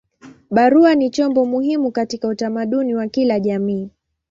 Barua ni chombo muhimu katika utamaduni wa kila jamii.